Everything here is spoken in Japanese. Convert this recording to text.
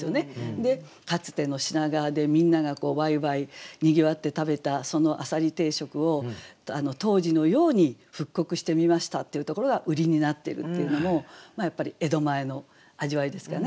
でかつての品川でみんながワイワイにぎわって食べたその浅蜊定食を当時のように覆刻してみましたっていうところが売りになっているっていうのもやっぱり江戸前の味わいですかね。